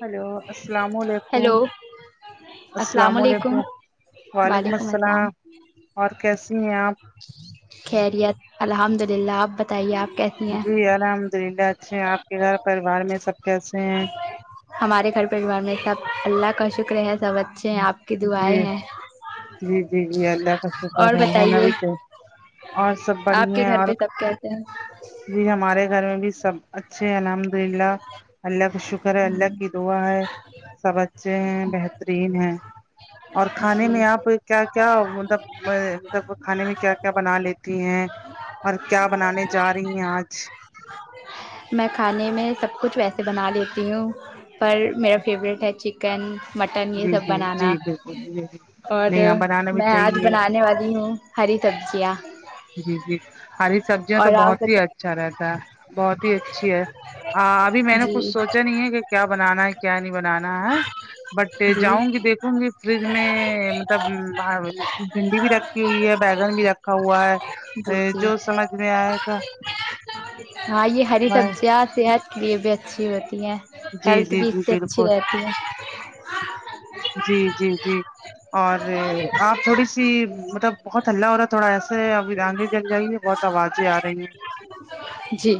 hello السلام علیکم hello السلام علیکم وعلیکم السلام اور کیسی ہیں آپ خیریت الحمد للہ آپ بتائیے آپ کیسے جی الحمد للہ اچھے ہے آپ کے گھر پریوار میں سب کیسے ہیں ہمارے گھر پریوار میں سب اللہ کا شکر ہے سب اچھا جی جی جی جی اللہ کا شکر اور ہے ہونا بتائیے بھی چاہیے اور سب آپ کے بڑیھیا گھر اور پہ سب کیسے ہیں جی ہمارے گھر میں بھی سب اچھے الحمد للہ اللہ کا شکر ہے اللہ کی دعا ہے سب اچھے ہیں بہترین ہیں اور کھانے جی میں آپ پ کیا کیا مطلب مطلب کھانے میں کیا کیا بنا لیتی ہیں اور کیا بنانے جا رہی ہیں آج میں کھانے میں سب کچھ ویسے بنا لیتی ہوں پر میرا فیوریٹ ہے چک چکن مٹن یہ جی سب جی بنانا جی بالکل جی جی اور نہیں ہاں بنانا بھی میں آج چاہیے بنانے والی ہوں ہری سبزیاں جی جی ہری سبزیاں تو اور بہت آپ ہی بتائیں اچھا رہتا ہے بہت ہی اچھی ہے ہاں ابھی میں نے کچھ جی سوچا نہیں ہے کہ کیا بنانا ہے کیا نہیں بنانا ہے بٹ جاؤں گی جی دیکھوں گی فریج میں مطلب بھنڈی بھی رکھی ہوئی ہے بیگن بھی رکھ رکھا ہوا جی ہے جی جو سمجھ میں آئے گا ہاں یہ ہری سبزیاں صحت یہ بھی اچھی ہوتی ہیں جی ہیلتھ جی بھی جی اس سے اچھی بالکل رہتی ہیں جی جی جی اور آپ تھوڑی سی مطلب بہت ہلہ ہو رہا ہے تھوڑا ایسے ہے اب آدھی جل جائیے بہت آوازیں آ رہی ہیں جی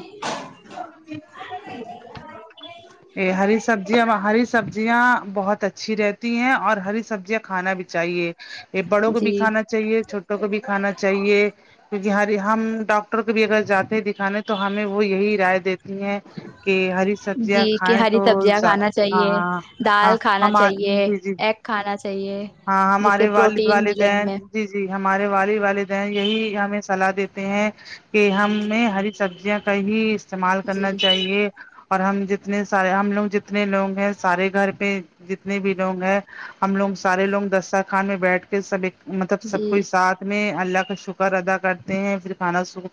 ہری سبزی ہری سبزیاں بہت اچھی رہتی ہیں اور ہری سبزیاں کھانا بھی چاہیے یہ بڑوں کو جی بھی کھانا چاہیے چھوٹوں کو بھی کھانا چاہیے کیونکہ ہر ہم ڈاکٹر کو بھی اگر جاتے ہیں دکھانے تو ہمیں وہ یہی رائے دیتی ہیں کہ ہری سبزیاں جی کہ کھائیں ہری تو سبزیاں کھانا ہاں چاہیے ہاں ہاں دال کھانا ہم چاہیے جی جی ایگ کھانا چاہیے ہاں جس سے ہمارے والد پروٹین ملے والدین ہمیں جی جی ہمارے والد والدین یہی ہمیں صلاح دیتے ہیں کہ ہمیں ہری سبزیاں کا ہی استعمال کرنا جی چاہیے اور ہم جتنے سارے ہم لوگ جتنے لوگ ہیں سارے گھر پہ جتنے بھی لوگ ہیں ہم لوگ سارے لوگ دسترخوان میں بیٹھ کے سب ایک مطلب سب کے جی ساتھ ہمیں اللہ کا شکر ادا کرتے ہیں پھر کھانا شروع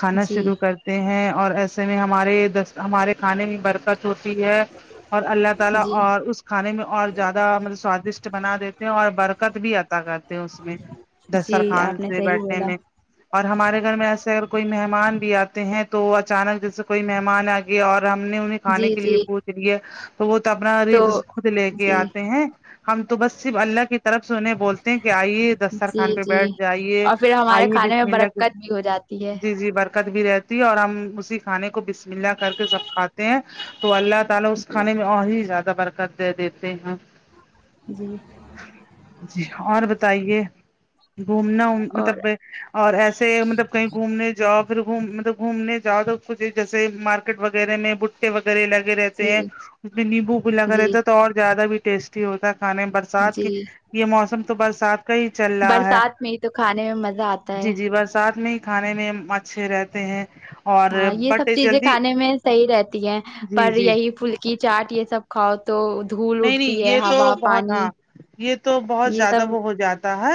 کھانا جی شروع کر تے ہیں اور ایسے میں ہمارے د ہمارے کھانے میں برکت ہوتی ہے اور اللہ تعالی جی اور اس کھانے میں اور زیادہ مطلب سوادشٹ بنا دیتے ہیں اور برکت بھی عطا کرتے ہیں اس میں جی دسترخوان آپ نے سے صحیح بیٹھے بولا میں اور ہمارے گھر میں ایسے اگر کوئی مہمان بھی آتے ہیں تو اچانک جیسے کوئی مہمان آے اور ہم نے انہیں کھانے جی کے لیے جی پوچھ لیے تو وہ تو اپنا رزق خود لے کے جی آتے ہیں ہم تو بس صرف اللہ کی طرف سے انہیں بولتے ہیں کہ آئیے جی دسترخوان پہ جی بیٹھ جائیے اور پھر ہمارے آئیے کھانے میں بسم اللہ کے برکت بھی ہو جاتی ہے جی جی برکت بھی رہتی ہے اور ہم اسی کھانے کو بسم اللہ کر کے سب کھاتے ہیں تو اللہ تعالی اس جی کھانے میں اور ہی زیادہ برکت دے دیتے ہیں جی جی اور بتائیے گھومنا وں اور مطلب اور ایسے مطلب کہیں گھومنے جاؤ پھر گھوم مطلب گھومنے جاؤ تو کچھ جیسے مارکیٹ وغیرہ میں وغیرہ لگے رہتے ہیں جی اس میں لیمبو بھی لگا جی رہتا ہے تو اور زیادہ بھی ٹیسٹی ہوتا ہے کھانے بر سات کی جی یہ موسم تو برسات کا ہی چل رہا ہے برسات تو کھایے جی جی برسات میں ہی کھانے میں مچھلی رہتے ہیں اور ہاں یہ بٹ سب چیزیں جلدی کھانے میں صحیح رہتی ہیں جی پر جی یہی پھلکی چاٹ یہ سب کھاؤ تو دھول نہیں نہیں اٹھتی ہے یہ تو ہوا بہت پانی ہاں یہ تو بہت یہ زیادہ سب وہ ہو جاتا ہے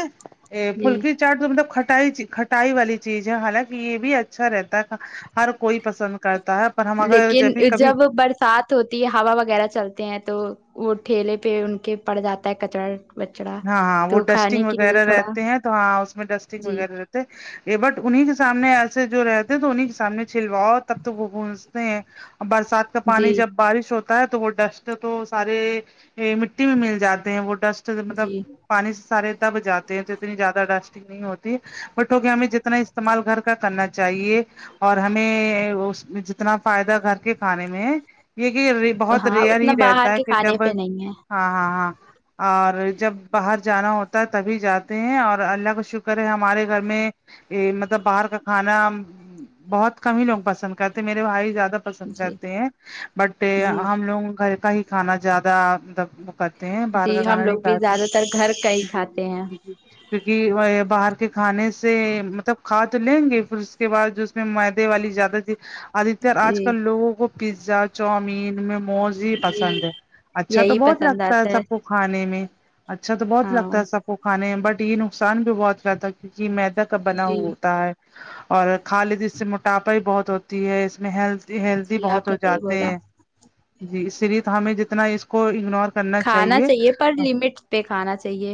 ا جی پھلکی چاٹ تو مطلب کھٹائی کھٹائی والی چیز ہے حالانکہ یہ بھی اچھا رہتا تھا ہر کوئی پسند کرتا ہے پر ہم اگر لیکن جبھی کبھی جب بر سات ہوتی ہے ہوا وغیرہ چلتے ہیں تو وہ ٹھیلے پہ ان کے پڑ جاتا ہے کچرا ہاں ہاں وہ ڈسٹنگ وغیرہ تھوڑا رہتے ہیں تو ہاں اس میں ڈسٹنگ جی وغیرہ رہتے یہ بٹ انہیں کے سامنے ایسے جو رہتے ہیں تو انہیں کے سامنے چلاؤ تب تو وہ پونجتے ہیں برسات کا جی پانی جب بارش ہوتا ہے تو وہ ڈسٹ تو سارے مٹی میں مل جاتے ہیں وہ ڈسٹ مطلب جی پانی سے سارے دب جاتے ہیں تو اتنی زیادہ ڈسٹنگ نہیں ہوتی بٹ ہوکے ہمیں جتنا استعمال گھر کا کرنا چاہیے اور ہمیں اس میں جتنا فائدہ گھر کے کھانے میں ہے یہ کہ ریر بہت ہاں ریئر اتنا ہی باہر رہتا ہے کے کہ کھانے جب پہ نہیں ہے ہاں ہاں ہاں اور جب باہر جانا ہوتا ہے تبھی جاتے ہیں اور اللہ کا شکر ہے ہمارے گھر میں یہ مطلب باہر کا کھانا بہت کم ہی لوگ پسند کرتے میرے بھائی زیادہ پسند جی کرتے ہیں بٹ ٹ جی ہم لوگوں گھر کا ہی کھانا زیادہ مطلب کرتےہیں باہر کا جی ہم کانا نہیں لوگ بھی کھاتے زیادہ گھر کا ہی جی جی کھاتے ہیں جی جی کیونکہ وہ یہ باہر کے کھانے سے مطلب کھا تو لیں گے پھر اس کے بعد جو میں میدہ والی زیادہ تھی آدتیہ آج جی کل لوگوں کو پیزا چاؤمین موموز ہی جی پسند ہے اچھا تو یہی بہت پسند لگتا ہے آتا سب کو کھانے میں اچھا تو بہت ہاں لگتا ہے سب کو کھانے میں بٹ یہ نقصان بھی بہت کرتا ہے کیونکہ میدہ کا بنا جی ہوتا ہے اور کھالیتے اس سے موٹاپا ہی بہت ہوتی ہے اس میں ہیلتھ ہیلتھی جی بہت آپ ہو نے صحیح جاتے بولا ہیں جی اسی لیے ہمیں جتنا اس کو اگنور کھانا چاہیے پر لمٹ پہ کھانا چاہیے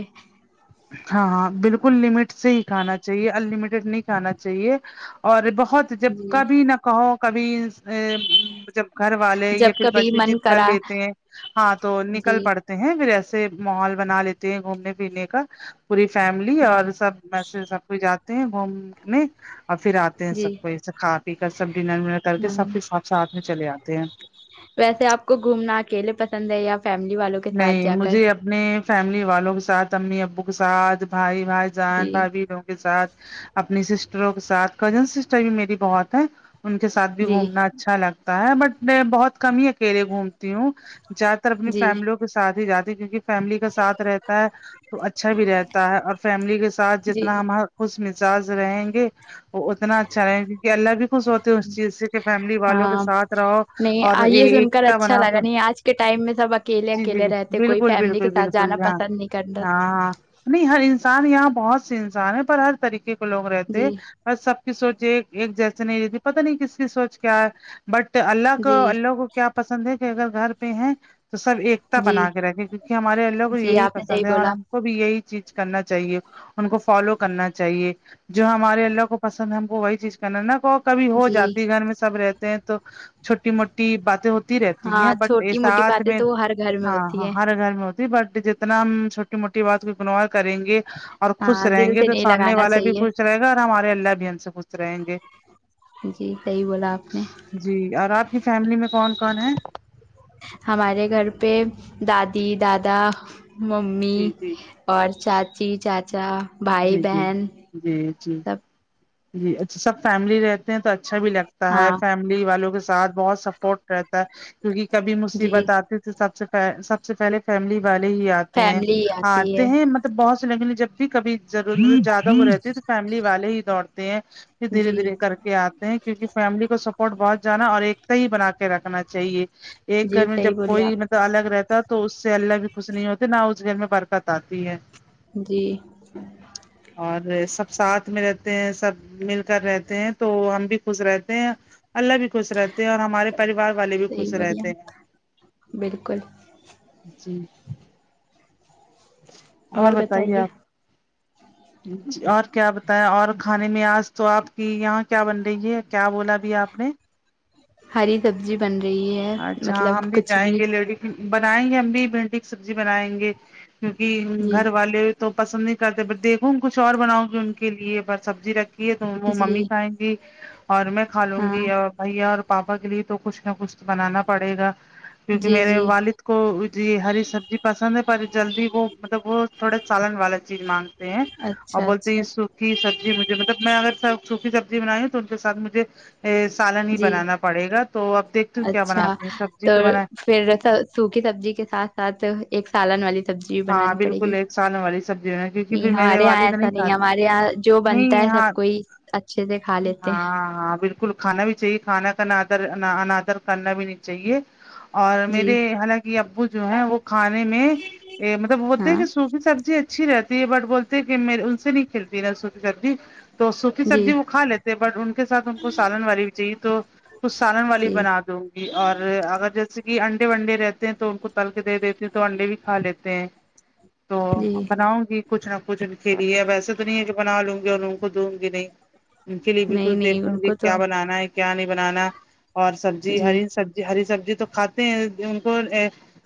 ہاں ہاں بالکل لمٹ سے ہی کھانا چاہیے ان لمیٹیڈ نہیں کھانا چاہیے اور بت ہاؤ تو جب جی کبھی نہ کہو کبھی سہ جب گھر والے یا جب پھر کبھی بچے من ضد کر کرا لیتے ہیں ہاں تو جی نکل پڑتے ہیں پھر ایسے ماحول بنا لیتے ہیں گھومنے پھرنے کا پوری فیملی جی اور سب میںسج سب کو جاتے ہیں گھومنے اور پھر آتے ہیں سب جی کوئی سے کھا پی کر سب ڈنر ونر کر کے ہوں سب کے ساتھ ساتھ میں چلے آتے ہیں ویسے آپ کو گھومنا اکیلے پسند ہے یا فیملی والوں کے ساتھ نہیں جا کر مجھے اپنے فیملی والوں کے ساتھ امی ابو کے ساتھ بھائی بھائی جان جی بھابھیوں کے ساتھ اپنی سسٹروں کے ساتھ کزن سسٹر بھی میری بہت ہیں ان کے ساتھ بھی جی گھومنا اچھا لگتا ہے بٹ میں بہت کم ہی اکیلے گھومتی ہوں جیادہ تر جی سیم لوگ ساتھ ہی جاتی کیونکہ فیملی کا ساتھ رہتا ہے تو اچھا بھی رہتا ہے اور فیملی کے سا ساتھ جی جتنا ہم خوش مزاج رہیں گے وہ اتنا اچھا رہیں گا کیونکہ اللہ بھی خوش ہوتے ہیں اس چیز سے کے فیملی والوں کے ہاں ساتھ رہو نہیں اور آ- یہ سن کر ایکتا اچھا بنا لگا کر نہیں آج کے ٹائم میں سب اکیلے جی جی اکیلے رہتے کوئی بالکل فیملی بالکل کے ساتھ جانا بالکل ہاں پسند نہیں کرنا ہاں نہیں ہر انسان یہاں بہت سے انسان ہے پر ہر طریقے کے لوگ رہتے ہیں جی اورر سب کی سوچ ایک ایک جیسے نہیں رہتی پتا نہیں کس کی سوچ کیا ہے بٹ اللہ کو جی اللہ کو کیا پسند ہے کہ اگر گھر پہ ہے تو سب ایک تا جی بنا کے رکھے کیونکہ ہمارے اللہ کو جی یہی آپ نے صحیح پسند ہے اور بولا ہم کو بھی یہی چیز کرنا چاہیے ان کو فالو کرنا چاہیے جو ہمارے اللہ کو پسند ہے ہم کو وہی چیز کرنا ہے نا کو کبھی ہو جی جاتی گھر میں سب رہتے ہیں تو چھوٹی موٹی باتیں ہوتی رہتی ہے ہاں بٹ چھوٹی موٹی ساتھ باتیں میں تو وہ ہر گھر میں ہاں ہوتی ہاں ہے ہر گھر میں ہوتی بٹ جتنا ہم چھوٹی موٹی بات کو اگنور کریں گے اور خوش ہاں رہیں دل گے سے تو نہیں سامنے لگانا والا بھی چاہیے خوش رہے گا اور ہمارے اللہ بھی ہم سے خوش رہیں گے جی صحیح بولا آپ نے جی اور آپ کی فیملی میں کون کون ہے ہمارے گھر پہ دادی دادا ممی جی جی اور چاچی چاچا بھائی جی جی بہن جی جی سب جی اچھا سب فیملی رہ تو اچھا بھی لگتا ہے ہاں فیملی والوں کے ساتھ بہت سپورٹ رہتا ہے کیونکہ کبھی جی مصیبت آتی تو سب سے سب سے پہلے فیملی والے ہی آتے ہیں فیملی آتی آتے ہے ہیں مط تو بہت سے لگے جب بھی کبھی ضرورت زیادہ وہ رہتی ہے تو فیملی والے ہی دوڑتے ہیں دھیرے جی دھیرے کر کے آتے ہیں کیونکہ فیملی کو سپورٹ بہت جانا اور ایکتا ہی بنا کے رکھنا چاہیے ایک گھر جی میں صحیح جب بولیے کوئی آپ مط الگ رہتا تو اس سے اللہ بھی خوش نہیں ہوتا نہ اس گھر میں برکت آتی ہے جی اور سب ساتھ میں رہتے ہیں سب مل کر رہتے ہیں تو ہم بھی خوش رہتے ہیں اللہ بھی خوش رہتے ہیں اور ہمارے پریوار والے بھی صحیح خوش بولیے رہتے آپ ہیں بالکل جی اور بتائیے اور کیا بتایا اور کھانے میں آج تو آپ کی یہاں کیا بن رہی ہے کیا بولا ابھی آپ نے ہری سبزی بن رہی ہے اچھا مطلب ہم کچھ جائیں بھی گے لیڈی بنائیں گے ہم بھی بھینڈی کی سبزی بنائیں گے کیونکہ جی گھر والے تو پسند نہیں کرتے بٹ دیکھو کچھ اور بناؤ گی ان کے لیے سبزی رکھ تو وہ ممی جی کھائیں گی اور میں کھالوں ہاں گی اور بھیا اور پاپا کے لیے تو کچھ نہ کچھ بنانا پڑے گا کیونکہ جی میرے جی والد کو جی ہری سبزی پسند ہے پر جلدی وہ مطلب وہ تھوڑا سالن والا چیز مانگتے ہیں اور اچھا بولتے یہ اچھا سوکھی سبزی مجھے مطلب میں اگر سوکھی سبزی بنائیوں تو ان کے ساتھ مجھے سالن ہی جی بنانا پڑے گا تو اب دیکھتی ہوں کیا بناتی ہیں سبزی تو بنائے پھر سوکھی سبزی کے ساتھ ساتھ ایک سالن والی سبزی بھی ہاں بنانی پڑے گی بالکل ایک سالن والی سبزی بنا کیونکہ پھر نہیں میرے ہمارے یہاں والد ایسا نہیں کھاتے ہمارے یہاں جو بنتا نہیں ہے سب ہاں کوئی اچھے سے کھا لیتے ہیں بلکل کھانا بھی چاہیے کھانا کا نادر اننادر کرنا بھی نہیں چاہیے اور جی میرے حلانکہ ابو جو ہے وہ کھانے میں مطلب بولتے ہیں ہاں کہ سوکھی سبزی اچھی رہتی ہے بٹ بولتے ہیں کہ میں ان سے نہیں کلتی نا سوکھی سبزی تو سوکھی جی سبزی وہ کھا لیتے ہیں بٹ ان کے ساتھ ان کو سالن والی بھی چاہیے تو کچھ سالن والی جی بنا دو اور اگر جیسے کہ انڈے وڈے رہتے ہیں تو ان کو تل کے دے دیتی ہ تو انڈے بھی کھا لیتے تو جی بناؤں گی کچھ نہ کچھ ان کے لیے اب و ایسے تو نہیں ہے کہ بنا لونگے اور لوگوں کو دونگی نہیں ان کے لیے بھی نہیں کچھ نہیں دیکھیں ان گے کو تو کیا بنانا ہے کیا نہیں بنانا اور سبزی جی ہری سبزی ہری سبزی تو کھاتے ہیں ان کو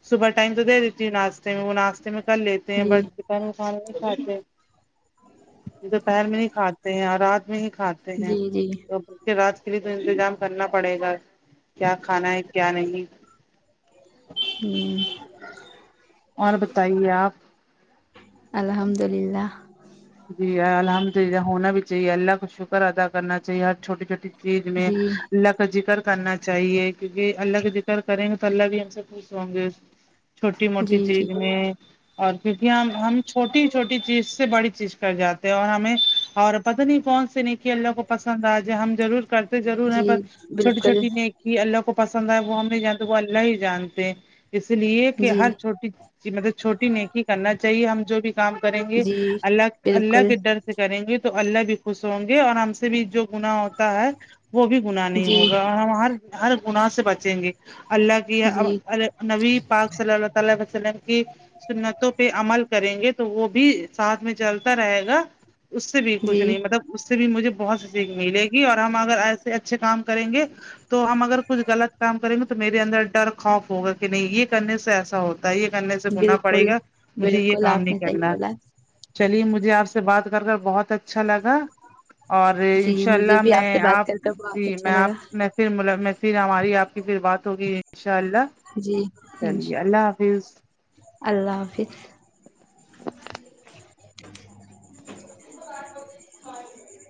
صبح ٹائم سے دے دی وہ ناشتے میں کر لیتے ہیں جی ب میں کھانا نہیں کھاتے یہ دوپہر میں نہیں کھاتے ہیں اور رات میں ہی کھاتے ہیں جی جی تو اس کے رات کے لیے تو انتظام کرنا پڑے گا کیا کھانا ہے کیا نہیں ہمم اور بتائیے آپ الحمد اللہ جی الحمد اللہ ہونا بھی چاہیے اللہ کا شکر ادا کرنا چاہیے ہر چھوٹی چھوٹی چیز میں جی اللہ کا ذکر کرنا چاہیے کیونکہ اللہ کا ذکر کریں گے تو اللہ بھی ہم سے خوش ہوں گے چھوٹی موٹی جی جی چیز میں اور کیونکہ ہم ہم چھوٹی چھوٹی چیز سے بڑی چیز کر جاتے ہیں اور ہمیں اور پتا نہیں کون سے نیکی کہ اللہ کو پسند آ جائے ہم ضرور کرتے ضرور ہے جی پر چھوٹی بالکل چھوٹی نیک ہی اللہ کو پسند آئے وہ ہم نہیں جانتے وہ اللہ ہی جانتے اس لیے کہ جی ہر چھوٹی کہ مطلب چھوٹی نیکی کرنا چاہیے ہم جو بھی کام کریں گے جی اللہ اللہ بالکل کے ڈرسے کریں گے تو اللہ بھی خوش ہونگے اور ہم سے بھی جو گنا ہے وہ بھی گناہ نہیں جی ہوگا اور ہم ہر ہر گناہ سے بچینگے اللہ کی جی نبی پاک صلی اللہ تعالی وسلم کی سنتوں پہ عمل کریں گے تو وہ بھی ساتھ میں چلتا رہے گا اس سے بھی کچھ جی نہیں مطلب اس سے بھی مجھے بہت سی سیکھ ملے گی اور ہم اگر ایسے اچھے کام کریں گے تو ہم اگر کچھ غلط کام کریں گے تو میرے اندر ڈر خوف ہوگا کہ نہیں یہ کرنے سے ایسا ہوتا یہ کرنے سے گناہ پڑے بالکل گا مجھے یہ بالکل کام آپ نہیں نے صحیح کرنا بولا چلیے مجھے آپ سے بات کر کر بہت اچھا لگا اور جی انشاء مجھے اللہ بھی میں سے بات آپ کر کر بہت جی اچھا میں لگا آپ میں پھر ہماری آپ کی پھر بات ہوگی انشاء اللہ جی ان چلیے اللہ حافظ اللہ حافظ